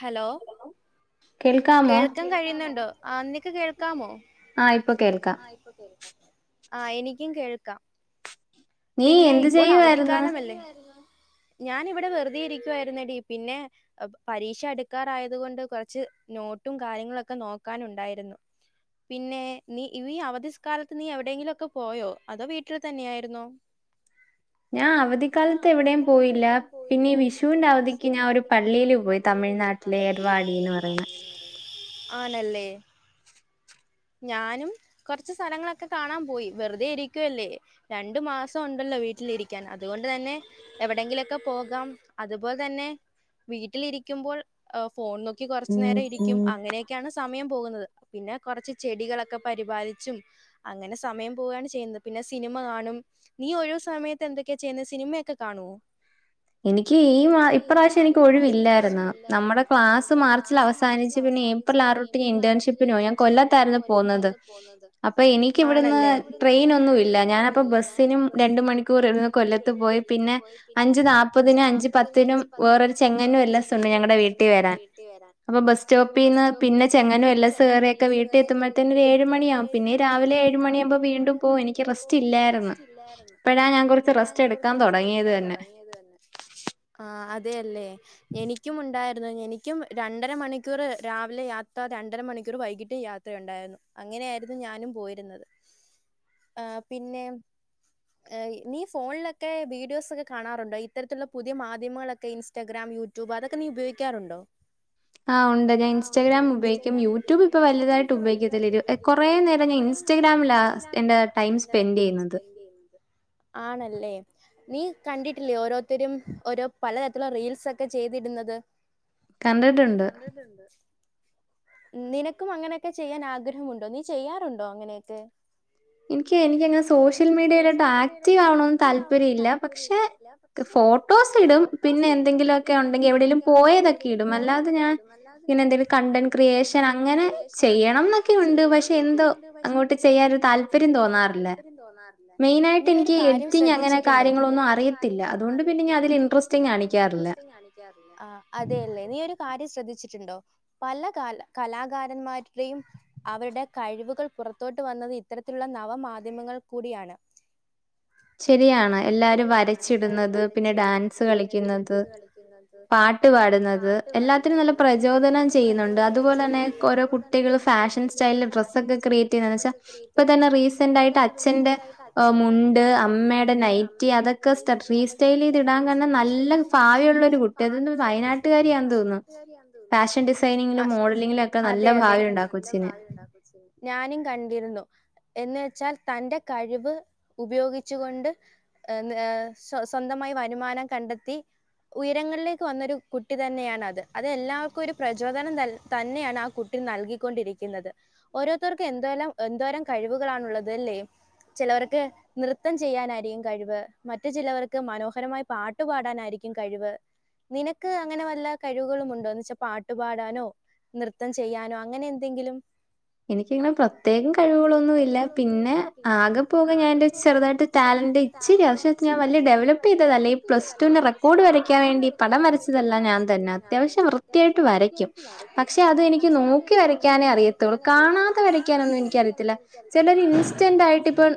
Hello കേൾക്കാൻ കഴിയുന്നുണ്ടോ? ആ, നിക്ക് കേൾക്കാമോ? ആഹ്. ഇപ്പൊ കേൾക്കാ. ആ എനിക്കും കേൾക്കാം. പിന്നെ ഇപ്പോൾ അവധിക്കാലമല്ലേ? ഞാൻ ഇവിടെ വെറുതെ ഇരിക്കുവായിരുന്നടീ. പിന്നെ- പരീക്ഷ അടുക്കാറായത് കൊണ്ട് കുറച്ച് നോട്ടും കാര്യങ്ങളൊക്കെ നോക്കാനുണ്ടായിരുന്നു. പിന്നെ നീ ഈ അവധി കാലത്ത് നീ എവിടെയെങ്കിലൊക്കെ പോയോ? അതോ വീട്ടിൽ തന്നെയായിരുന്നോ? ഞാ അവധി. അവധിക്കാലത്ത് എവിടെയും പോയില്ല. പിന്നെ ഈ വിഷുവിന്റെ അവധിക്ക് ഞാൻ ഒരു പള്ളിയിൽ പോയി തമിഴ്നാട്ടിൽ. തമിഴ്നാട്ടിലെ [inaudible] ആണല്ലേ? ഞാനും. കുറച്ച് സ്ഥലങ്ങളൊക്കെ കാണാൻ പോയി. വെറുതെ ഇരിക്കുവല്ലേ. രണ്ടു മാസം- ഉണ്ടല്ലോ വീട്ടിലിരിക്കാൻ. അതുകൊണ്ട് തന്നെ എവിടെങ്കിലൊക്കെ പോകാം. അതുപോലെ തന്നെ- വീട്ടിലിരിക്കുമ്പോൾ ഫോൺ നോക്കി കുറച്ചു നേരം ഇരിക്കും. അങ്ങനെയൊക്കെയാണ് സമയം പോകുന്നത്. പിന്നെ കൊറച്ച് ചെടികളൊക്കെ പരിപാലിച്ചും അങ്ങനെ സമയം പോവേണ് ചെയ്യുന്നെ പിന്നെ സിനിമ കാണും നീ ഒഴിവ് സമയത്ത് എന്തൊക്കെയ ചെയ്യുന്നെ സിനിമയൊക്കെ കാണുവോ എനിക്ക് ഈ മാ ഇപ്രാവശ്യം എനിക്ക് ഒഴിവില്ലാരുന്നു നമ്മടെ ക്ലാസ് മാർച്ചിൽ അവസാനിച്ച് പിന്നെ ഏ ഏപ്രിൽ ആറ് തൊട്ട് ഇന്റേൺഷിപ്പിനോയി ഞാൻ കൊല്ലാത്താരുന്നു പോന്നത് അപ്പ എനിക്ക് ഇവിട്ന്ന് ട്രെയിനൊന്നു ഇല്ല ഞാനപ്പം ബസ്സിനും രണ്ട് മണിക്കൂർ ഇരുന്ന് കൊല്ലത്ത് പോയി പിന്നെ അഞ്ച് നാപ്പ അഞ്ച് നാപ്പതിനും അഞ്ച് പത്തിനും വേറൊരു ചെങ്ങനൂര് എല്ലെസൊണ്ട് ഞങ്ങടെ വീട്ടി വരാൻ അപ്പം ബസ്റ്റോപ്പീന്ന് പിന്നെ ചങ്ങനൂരെല്ലസ്സ് കേറിയെക്കെ വീട്ടി എത്തുമ്പഴത്തേന് ഒരേഴ് മണി ആവും പിന്നെ രാവിലെ ഏഴ് മണിയാമ്പ വീണ്ടും പോവു എനിക്ക് റെസ്റ്റ് ഇല്ലാര്ന്ന് റെസ്റ്റില്ലാര്ന്ന് ഇപ്പഴാ ഞാൻ കൊറച്ച് റെസ്റ്റ് എടുക്കാൻ തൊടങ്ങിയത് തന്നെ ആഹ് അതെയല്ലേ എനിക്കും ഉണ്ടായിരുന്നു എനിക്കും രണ്ടര മണിക്കൂർ രാവിലെ യാത്ര രണ്ടര മണിക്കൂർ വൈകിട്ട് യാത്ര ത്ര ഒണ്ടായിരുന്നു അങ്ങനെയായിരുന്നു ഞാനും പോയിരുന്നത് ആഹ് പിന്നെ നീ ഫോണിലൊക്കെ വീഡിയോസ് ഒക്കെ കാണാറുണ്ടോ ഇത്തരത്തിലുള്ള പുതിയ മാധ്യമങ്ങളൊക്കെ ഇൻസ് ഇൻസ്റ്റാഗ്രാം യൂട്യൂബ് അതൊക്കെ നീ ഉപയോഗിക്കാറുണ്ടോ ആഹ് ഒണ്ട് ഞാൻ ഇൻസ്റ്റഗ്രാം ഉപയോഗിക്കും യൂട്യൂബ് ഇപ്പൊ വലുതായിട്ട് ഉപയോഗിക്കത്തില്ല കൊറേ നേരം ഞാൻ ഇൻസ് സ്റ്റഗ്രാമിലാ എന്റെ ടൈം സ്പെൻഡെയ്യുന്നത് ആണല്ലേ നീ കണ്ടിട്ടില്ലേ ഓരോത്തരും ഓരോ പലതരത്തിലുള്ള റീൽസ് ഒക്കെ ചെയ്തിടുന്നത് കണ്ടിട്ടുണ്ട് നിനക്കും അങ്ങനെയൊക്കെ ചെയ്യാൻ ആഗ്രഹമുണ്ടോ നീ ചെയ്യാറുണ്ടോ അങ്ങനെയൊക്കെ എനിക്ക് എനിക്കങ്ങനെ സ സോഷ്യൽ മീഡിയിലോട്ട് ആക്റ്റീവ് ആവണൂന്ന് താല്പര്യ ഇല്ല പക്ഷെ ഫോട്ടോസ് ഇടും പിന്നെ എന്തെങ്കിലുവൊക്കെ ഒണ്ടെങ്കി എവിടേലും പോയതൊക്കെ ഇടും അല്ലാതെ ഞാൻ പിന്നെ എന്തേലൊ കണ്ടന്റ് ക്രിയേഷൻ അങ്ങനെ ചെയ്യണംന്നൊക്കെ ഒണ്ട് പക്ഷെ എന്തോ അങ്ങോട്ട് ചെയ്യാൻ ഒരു താല്പര്യ തോന്നാറില്ല മെയിൻ ആയിട്ട് എനിക്ക് എഡിറ്റിംഗ് അങ്ങനെ കാര്യങ്ങളൊന്നും അറിയത്തില്ല അതുകൊണ്ട് പിന്നെ ഞ അതില് ഇൻട്രസ്റ്റ് റ്റും കാണിക്കാറില്ല ആഹ് അതെ അല്ലെ നീ ഒരു കാര്യം ശ്രദ്ധിച്ചിട്ടുണ്ടോ പല കല കലാകാരന്മാരുടെയും അവരുടെ കഴിവുകൾ പുറത്തോട്ട് വന്നത് ഇത്തരത്തിലുള്ള നവമാധ്യമങ്ങൾ കൂടിയാണ് ശരിയാണ് എല്ലാരും വരച്ചിടുന്നത് പിന്നെ ഡാൻസ് കളിക്കുന്നത് പിന്നത് പാട്ട് പാടുന്നത് എല്ലാത്തിനും നല്ല പ്രചോദനം ചെയ്യുന്നൊണ്ട് അതുപോലന്നെ ഓരോ കു കുട്ടികള് ഫാഷൻ സ്റ്റൈലില് ഡ്രസൊക്കെ ക്രിയേറ്റ് ചെയ്യുന്നെവെച്ചാ ഇപ്പതന്നെ റീ സെന്റായിട്ട് അച്ഛന്റെ മുണ്ട് അമ്മേടെ നൈറ്റി അതൊക്കെ റീ സ്റ്റൈൽ ചെയ്ത് ഇടാൻ കണ്ട നല്ല ഭാവിയൊള്ളൊരു കുട്ടി അതെന്നു വയനാട്ടുകാരിയാന്ന് തോന്നുന്നു ഫാഷൻ ഡിസൈനിങ്ങിലും മോഡലിങ്ങിലും ഒക്കെ നല്ല ഭാവി ഒണ്ടാ ഞാനും കണ്ടിരുന്നു എന്ന് വെ ച്ചാൽ തന്റെ കഴിവ് ഉപയോഗിച്ചുകൊണ്ട് സ്വന്തമായി വരുമാനം കണ്ടെത്തി ഉയരങ്ങളിലേക്ക് വന്നൊരു കുട്ടി തന്നെയാണത് അത് എല്ലാവർക്കും ഒരു പ്രചോദനം ത തന്നെയാണ് ആ കുട്ടി നൽകിക്കൊണ്ടിരിക്കുന്നത് ഓരോത്തർക്കും എന്തോലം എന്തോരം കഴിവുകളാണുള്ളത് അല്ലേ ചെലോർക്ക് നൃത്തം ചെയ്യാനാരിക്കും കഴിവ് മറ്റു ചിലവർക്ക് മനോഹരമായി പാട്ട് പാടാനാരിക്കും കഴിവ് നിനക്ക് അങ്ങനെ വല്ല കഴിവുകളും ഉണ്ടോ എന്ന് വെച്ച പാട്ട് പാടാനോ നൃത്തം ചെയ്യാനോ അങ്ങനെ എന്തെങ്കിലും എനിക്കങ്ങനെ പ്രത്യേകം കഴിവുകളൊന്നും ഇല്ല പി ന്നെ ആകെ പോകെ ഞാനെന്റെ ചെറുതായിട്ട് ടാലന്റ് ഇച്ചിരിയാ ഷെ ഞാൻ വല്യ ഡെവലപ്പ് ചെയ്തതല്ല പ്ലസ് ടുന് റെക്കോർഡ് വരക്കാൻ വേണ്ടി പടം വരച്ചതെല്ലാം ഞാൻതന്ന അത്യാവശ്യം വൃത്തിയാട്ട് വരയ്ക്കും വരക്കും പക്ഷെ അത് എനിക്ക് നോക്കി വരക്കാൻ കാണാതെ വരയ്ക്കാനൊന്നും എനിക്കറിയത്തില്ല ചിലർ ഇൻസ് സ്റ്റാൻഡ് ആയിട്ട് ഇപ്പം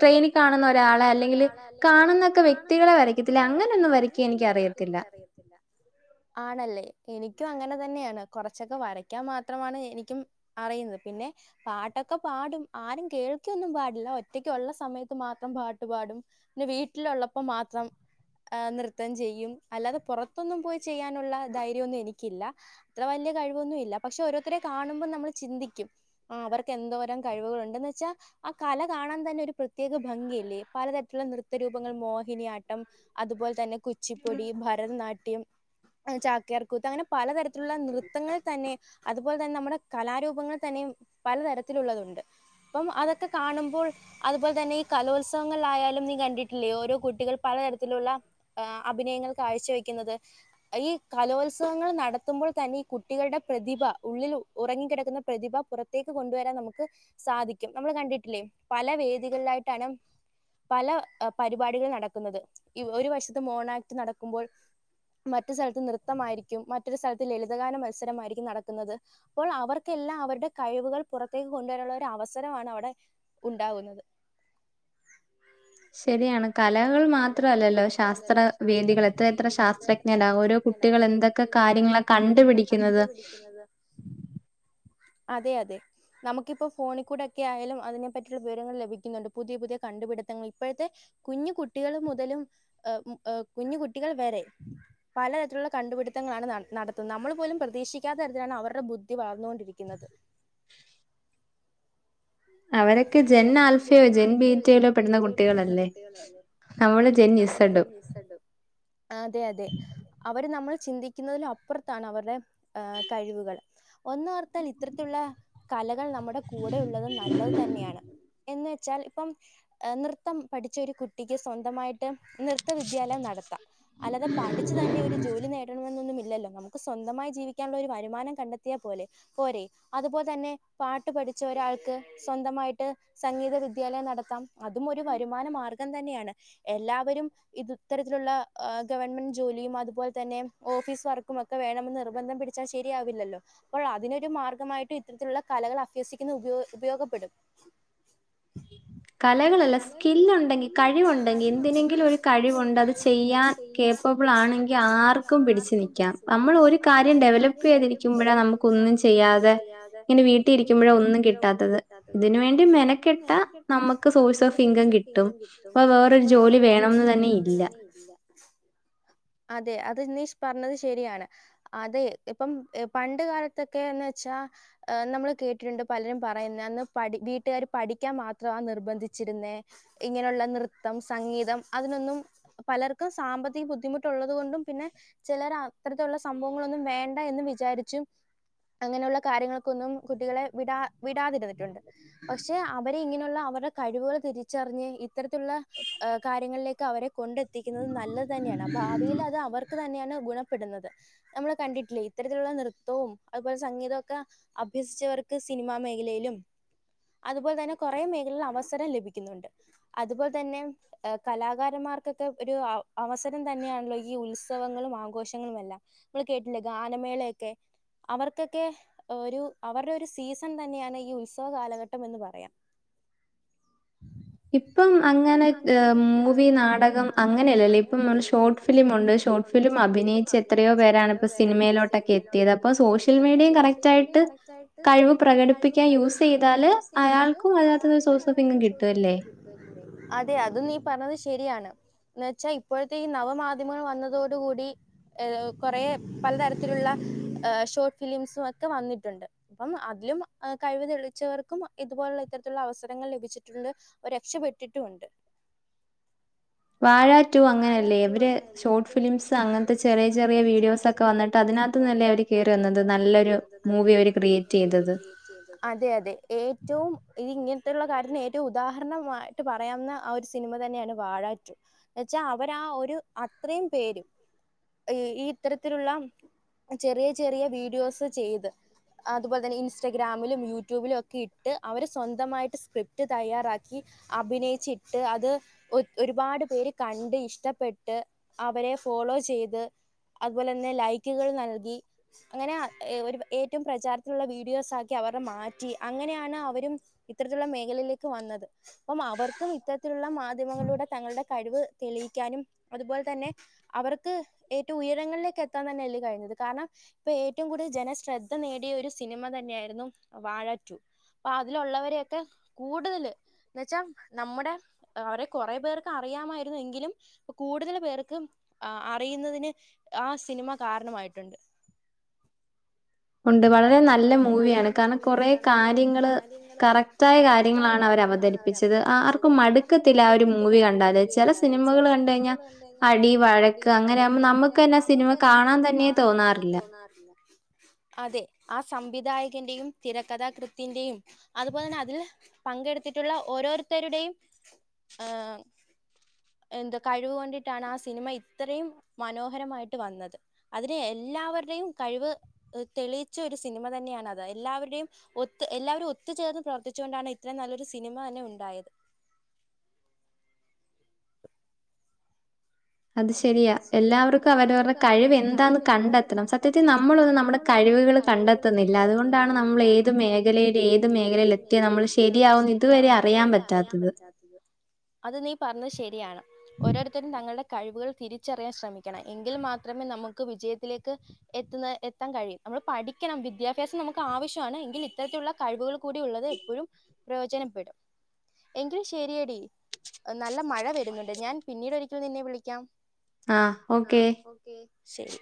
ട്രെയിനിൽ കാണുന്ന ഒരാളെ അല്ലെങ്കിൽ കാണുന്ന ഒക്കെ വ്യക്തികളെ വരയ്ക്കത്തില്ലെ അങ്ങനെ ഒന്നും വര യ്ക്കാൻ എനിക്കറിയത്തില്ല അറിയത്തില്ല ആണല്ലേ എനിക്കും അങ്ങനെ തന്നെയാണ് കൊറച്ചൊക്കെ വരക്കാൻ മാത്രമാണ് എനിക്കും അറിയുന്നത് പിന്നെ പാട്ടൊക്കെ പാടും ആരും കേൾ ഒക്കൊന്നും പാടില്ല ഒറ്റയ്ക്കുള്ള സമയത്ത് മാത്രം പാട്ട് പാടും പിന്നെ വീട്ടിലുള്ളപ്പോ മാത്രം ആ നൃത്തം ചെയ്യും അല്ലാതെ പുറത്തൊന്നും പോയി ചെയ്യാനുള്ള ധൈര്യം ഒന്നും എനിക്കില്ല ഇത്ര വലിയ കഴിവൊന്നുമില്ല പക്ഷെ ഓരോരുത്തരെ കാണുമ്പോൾ നമ്മൾ ചിന്തിക്കും ആ അവർക്ക് എന്തോരം കഴിവുകൾ ഉണ്ടെന്ന് വെച്ചാൽ ആ കല കാണാൻ തന്നെ ഒരു പ്രത്യേക ഭംഗിയില്ലേ പലതരത്തിലുള്ള നൃത്തരൂപങ്ങൾ മോഹിനിയാട്ടം അതുപോലെ തന്നെ കുച്ചിപ്പൊടി ഭരതനാട്യം ചാക്കയാർക്കൂത്ത് അങ്ങനെ പലതരത്തിലുള്ള നൃത്തങ്ങൾ തന്നെ അത് അതുപോലെ തന്നെ നമ്മുടെ കലാരൂപങ്ങൾ തന്നെയും പലതരത്തിലുള്ളതുണ്ട് അപ്പം അതൊക്കെ കാണുമ്പോൾ അതുപോലെ തന്നെ ഈ കലോത്സവങ്ങളിൽ ആയാലും നീ കണ്ടിട്ടില്ലേ ഓരോ കുട്ടികൾ പലതരത്തിലുള്ള ആഹ് അഭിനയങ്ങൾ കാഴ്ച വെക്കുന്നത് ഈ കലോത്സവങ്ങൾ നടത്തുമ്പോൾ തന്നെ ഈ കുട്ടികളുടെ പ്രതിഭ ഉള്ളിൽ ഉറങ്ങിക്കിടക്കുന്ന പ്രതിഭ പുറ ത്തേക്ക് കൊണ്ടുവരാൻ നമുക്ക് സാധിക്കും നമ്മള് കണ്ടിട്ടില്ലേ പല വേദികളിലായിട്ടാണ് പല പരിപാടികൾ നടക്കുന്നത് ഈ ഒരു വഷത്ത് മോണാക്ട് നടക്കുമ്പോൾ മറ്റു സ്ഥലത്ത് നൃത്തമായിരിക്കും മറ്റൊരു സ്ഥലത്ത് ലളിതഗാന മത്സരമായിരിക്കും നടക്കുന്നത് അപ്പോൾ അവർക്കെല്ലാം അവരുടെ കഴിവുകൾ പുറത്തേക്ക് കൊണ്ടുവരാനുള്ള ഒരു അവസ സരംമാണ് അവിടെ ഉണ്ടാകുന്നത് ശരിയാണ് കലകൾ മാത്രല്ലല്ലോ ശാസ്ത്ര വേദികൾ എത്ര എത്ര ശാസ്ത്ര ശാസ്ത്രജ്ഞനാ ഓരോ കുട്ടികൾ എന്തൊക്കെ കാര്യങ്ങളാ കണ്ടുപിടിക്കുന്നത് അതെ അതെ നമുക്കിപ്പോ ഫോണി കൂടെക്കെ ആയാലും അതിനെപ്പറ്റിയുള്ള വിവരങ്ങൾ ലഭിക്കുന്നുണ്ട് പുതിയ പുതിയ കണ്ടുപിടുത്തങ്ങൾ ഇപ്പഴത്തെ കുഞ്ഞു കുട്ടികൾ മുതലും കുഞ്ഞ് കുട്ടികൾ വരെ പലതരത്തിലുള്ള കണ്ടുപിടുത്തങ്ങളാണ് നട നടത്തുന്നത് നമ്മൾ പോലും പ്രതീക്ഷിക്കാത്ത തരത്തിലാണ് അവരുടെ ബുദ്ധി വളർന്നൊണ്ടിരിക്കുന്നത് അവരൊക്കെ ജെൻ ആൽഫയോ ജെൻ ബീറ്റയിലോ പെടുന്ന കുട്ടികളല്ലേ നമ്മള് ജൻ ഇസെടും അതെ അതെ അവര് നമ്മൾ ചിന്തിക്കുന്നതിലും അപ്പുറത്താണ് അവരുടെ കഴിവുകൾ ഒന്ന് ഓർത്താൽ ഇത്തരത്തിലുള്ള കലകൾ നമ്മുടെ കൂടെ ഉള്ളത് നല്ലത് തന്നെയാണ് എന്ന് വെച്ചാൽ ഇപ്പം നൃത്തം പഠിച്ച ഒരു കുട്ടിക്ക് സ്വന്തമായിട്ട് നൃത്ത വിദ്യാലയം നടത്താം അല്ലാതെ പഠിച്ചു തന്നെ ഒരു ജോലി നേടണമെന്നൊന്നും ഇല്ലല്ലോ നമുക്ക് സ്വന്തമായി ജീവിക്കാനുള്ള ഒരു വരുമാനം കണ്ടെത്തിയ പോലെ പോരെ അതുപോലെ തന്നെ പാട്ട് പഠിച്ച ഒരാൾക്ക് സ്വന്തമായിട്ട് സംഗീത വിദ്യാലയം നടത്താം അതും ഒരു വരുമാന മാർഗം തന്നെയാണ് എല്ലാവരും ഇത് ഇത്തരത്തിലുള്ള ഗവൺമെന്റ് ജോലിയും അതുപോലെ തന്നെ ഓഫീസ് വർക്കും ഒക്കെ ക്കെ വേണമെന്ന് നിർബന്ധം പിടിച്ചാൽ ശരിയാവില്ലല്ലോ അപ്പോൾ അതിനൊരു മാർഗമായിട്ടും ഇത്തരത്തിലുള്ള കലകൾ അഭ്യസിക്കുന്നത് ഉപയ ഉപയോഗപ്പെടും [inaudible] കലകളല്ല സ്കിൽ ഉണ്ടെങ്കിൽ കഴിവുണ്ടെങ്കിൽ എന്തിനെങ്കിലും ഒരു കഴിവുണ്ട് അത് ചെയ്യാൻ കേപ്പബിൾ ആണെങ്കിൽ ആർക്കും പിടിച്ചു നിൽക്കാം നമ്മൾ ഒരു കാര്യം ഡെവലപ്പ് ചെയ്തിരിക്ക ക്കുമ്പഴാ നമുക്ക് ഒന്നും ചെയ്യാതെ ഇങ്ങനെ വീട്ടിൽ ഇരിക്കുമ്പഴാ ഒന്നും കിട്ടാത്തത് ഇതിന് വേണ്ടി മെനക്കെട്ട നമുക്ക് സോഴ്സ് ഓഫ് ഇൻകം കിട്ടും അപ്പൊ അപ്പൊ വേറൊരു ജോലി വേണൊന്ന് തന്നെ ഇല്ല അതെ അത് നീഷ് പറഞ്ഞത് ശരിയാണ് അതെ ഇപ്പം പണ്ട് കാലത്തൊക്കെന്ന് വെച്ചാ അഹ് നമ്മള് കേട്ടിട്ടുണ്ട് പലരും പറയു അന്ന് പഠി വീട്ടുകാര് പഠിക്കാൻ മാത്രാ നിർബന്ധിച്ചിരുന്നേ ഇങ്ങനുള്ള നൃത്തം സംഗീതം അതിനൊന്നും പലർക്കും സാമ്പത്തിക ബുദ്ധിമുട്ടുള്ളത് കൊണ്ടും പിന്നെ ചെലര് അത്തരത്തിലുള്ള സംഭവങ്ങളൊന്നും വേണ്ട എന്ന് വിചാരിച്ചും അങ്ങനെ ഉള്ള കാര്യങ്ങൾക്കൊന്നും കുട്ടികളെ വിടാ വിടാതിര്ന്ന് ണ്ട് പക്ഷെ അവരിങ്ങനെയുള്ള അവരുടെ കഴിവുകൾ തിരിച്ചറിഞ്ഞ് ഇത്തരത്തിലുള്ള കാര്യങ്ങളിലേക്ക് അവരെ കൊണ്ടെത്തിക്കുന്നത് നല്ലത് തന്നെയാണ് ഭാവിയിൽ അത് അവർക്ക് തന്നെയാണ് ഗുണപ്പെടുന്നത് നമ്മള് കണ്ടിട്ടില്ലേ ഇത്തരത്തിലുള്ള നൃത്തവും അതുപോലെ സംഗീതോക്കെ അഭ്യസിച്ചവർക്ക് സിനിമാ മേഖലയിലും അതുപോലെ തന്നെ കൊറേ മേഖലകളില് അവസരം ലഭിക്കുന്നുണ്ട് അതുപോലെ തന്നെ എഹ് കലാകാരന്മാർക്കൊക്കെ ഒരു അവസരം തന്നെയാണല്ലോ ഈ ഉത്സവങ്ങളും ആഘോഷങ്ങളും എല്ലാം നിങ്ങള് കേട്ടില്ലേ? ഗാനമേളേയെക്കെ? അവർക്കൊക്കെ ഒരു അവരുടെ ഒരു സീസൺ തന്നെയാണ് ഈ ഉത്സവ കാലഘട്ടം എന്ന് പറയാം ഉം ഇപ്പം അങ്ങനെ മൂവി, നാടകം അങ്ങനെയല്ലല്ലേ ഇപ്പ നമ്മള് ഷോർട്ട് ഫിലിമുണ്ട് ഷോർട്ട് ഫിലിം അഭിനയിച്ച് എത്രയോ പേരാണ് ഇപ്പോ സിനിമയിലോട്ടൊക്കെ എത്തിയത് അപ്പോ സോഷ്യൽ മീഡിയയും കറ ക്റ്റായിട്ട് കഴിവ് പ്രകടിപ്പിക്കാൻ യൂസ് ചെയ്യു താല് അയാൾക്കും അതിനകത്ത്ന്ന് സോഴ്‌സ് ഓഫ് ഇൻകം കിട്ടുവല്ലേ? അതെ അതും നീ പറഞ്ഞത് ശരിയാണ് എന്ന് വെച്ചാ ഇപ്പോഴത്തെ ഈ നവ മാധ്യമങ്ങൾ വന്നതോട് കൂടി ഏഹ് കൊറേ പലതരത്തിലുള്ള ഷോർട്ട് ഫിലിംസും ഒക്കെ വന്നിട്ടുണ്ട് അപ്പം അതിലും കഴിവ് തെളി യിച്ചവർക്കും ഇതുപോലുള്ള ഇത്തരത്തിലുള്ള അവസരങ്ങൾ ലഭിച്ചിട്ടുണ്ട് രക്ഷപ്പെട്ടിട്ടുമുണ്ട് വാഴ റ്റു അങ്ങനെയല്ലേ ഇവര് ഷോർട്ട് ഫിലിംസ് അങ്ങനത്തെ ചെറിയ ചെറിയ വീഡിയോസൊക്കെ വന്നിട്ട് അതിനകത്ത്ന്നല്ലെ അവര് അതിനത്ത്നല്ലെ അവര് കയറി വന്നത് നല്ലൊരു മൂവി അവര് ക്രിയേറ്റ് ചെയ്തത് അതെ അതെ ഏറ്റവും ഇത് ഇങ്ങനത്തുള്ള കാര്യത്തിന് ഏറ്റവും ഉദാഹരണമായിട്ട് പറയാവുന്ന ആ ഒരു സ സിനിമ തന്നെയാണ് വാഴാ റ്റു എന്ന് വെച്ചാ അവരാ ആ ഒരു അത്രയും പേരും ഈ ഇത്തരത്തിലുള്ള ചെറിയ ചെറിയ വീഡിയോസ് ചെയ്ത് അതുപോലെ തന്നെ ഇൻസ്റ്റഗ്രാമിലും യൂട്യൂബിലുമൊക്കെ ഇട്ട് അവര് സ്വന്തമായിട്ട് സ്ക്രിപ്റ്റ് തയ്യാറാക്കി അഭിനയിച്ചിട്ട് അത് ഒരുപാട് പേര് കണ്ട് ഇഷ്ട്ടപ്പെട്ട് അവരെ ഫോളോ ചെയ്ത് അതുപോലെ തന്നെ ലൈക്കുകൾ നൽകി അങ്ങനെ ഒരു ഏറ്റവും പ്രചാരത്തിലുള്ള വീഡിയോസാക്കി അവരെ മാറ്റി അങ്ങനെയാണ് അവരും ഇത്തരത്തിലുള്ള മേഖലയിലേക്ക് വന്നത് അപ്പം അവർക്കും ഇത്തരത്തിലുള്ള മാധ്യമങ്ങളിലൂടെ തങ്ങളുടെ കഴിവ് തെളിയിക്കാനും അതുപോലെ തന്നെ അവർക്ക് ഏറ്റവും ഉയരങ്ങളിലേക്ക് എത്താൻ തന്നെയല്ലേ കഴിഞ്ഞത് കാരണം ഇപ്പൊ ഏറ്റവും കൂടുതൽ ജനശ്രദ്ധ നേടിയ ഒരു സിനിമ തന്നെയായിരുന്നു വാഴാ റ്റു അപ്പൊ അതിലുള്ളവരെയെക്കെ കൂടുതല് എന്ന് വെച്ചാ നമ്മുടെ അവരെ കൊറേ പേർക്ക് അറിയാമായി രിക്കും എങ്കിലും കൂടുതൽ പേർക്കും ആഹ് അറിയുന്നതിന് ആ സിനിമ കാരണമായിട്ടുണ്ട് ഉണ്ട് വളരെ നല്ല മൂവിയാണ് കാരണം കൊറേ കാര്യങ്ങള് കറക്റ്റായ കാര്യങ്ങളാണ് അവര് അവതരി പ്പിച്ചത് ആർക്കും മടുക്കത്തില്ല ആ ഒരു മൂവി കണ്ടാല് ചെല സിനിമകള് കണ്ട് കഴിഞ്ഞാ അടി വഴക്ക് അങ്ങനെയാകുമ്പോ നമുക്കന്നെ സിനിമ കാണാൻ തന്നെ തോന്നാറില്ല മാറില്ല അതെ ആ സംവിധായകന്റെയും തിരക്കഥാകൃത്തിന്റെയും അതുപോലെ തന്നെ അതില് പങ്കെടുത്തിട്ടുള്ള ഓരോരുത്തരുടെയും ഏഹ് എന്ത് കഴിവ് കൊണ്ടിട്ടാണ് ആ സിനിമ ഇത്രയും മനോഹരമായിട്ട് വന്നത് അതിന് എല്ലാവരുടേം കഴിവ് തെളിയിച്ച ഒരു സിനിമ തന്നെയാണ് അത് എല്ലാവര്ടെയും ഒത്ത് എല്ലാവരും ഒത്തുചേർന്ന് പ്രവർത്തിച്ചോണ്ടാണ് ഇത്രയും നല്ലൊരു സിനിമ തന്നെ ഉണ്ടായത്. അത് ശരിയാ എല്ലാവർക്കും അവരവര്ടെ കഴിവ് എന്താന്ന് കണ്ടെത്തണം സത്യത്തി നമ്മളൊന്ന് നമ്മടെ ക കഴിവുകള് കണ്ടെത്തുന്നില്ല അതുകൊണ്ടാണ് നമ്മള് ഏത് മേഖലയില് ഏത് മേഖലയില് എത്തിയ നമ്മൾ ശരിയാവുന്ന് ഇതുവരെ നമുക്ക് അറിയാൻ പറ്റാത്തത് അത് നീ പറഞ്ഞത് ശരിയാണ് ഓരോരുത്തരും തങ്ങൾടെ കഴിവുകള് തിരിച്ചറിയാൻ ശ്രമിക്കണം എങ്കിൽ മാത്രമേ നമുക്ക് വിജയത്തിലേക്ക് എത്തുന്ന എത്താൻ കഴിയു നമ്മൾ പഠിക്കണം വിദ്യാഭ്യാസം നമുക്ക് ആവശ്യണ് എങ്കിൽ ഇത്തരത്തിലുള്ള കഴിവുകൾ കൂടി ഉള്ളത് എപ്പഴും പ്രയോജനപ്പെടും എങ്കിൽ ശെരിയെടി നല്ല മഴ വരുന്നുണ്ട് ഞാൻ പിന്നീട് ഒരിക്കൽ നിന്നെ വിളിക്കാം ആഹ് ആഹ് ഓക്കെ ശെരി